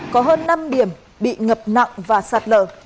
có hơn năm điểm bị ngập nặng và sạt lở